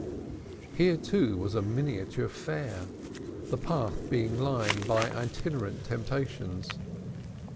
Here, too, was a miniature fair, the path being lined by itinerant temptations.